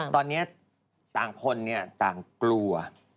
ตอนนี้ต่างคนต่างกลัว